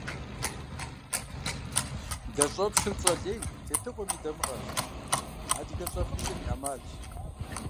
Дэ щӀопщыр пщӀэ лейм, тетыгъуэм и дамыгъэщ, адыгэ щӀагъыбзэм и Ӏэмалщ.